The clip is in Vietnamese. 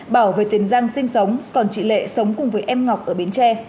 bảo về tiền giang sinh sống còn chị lệ sống cùng với em ngọc ở bến tre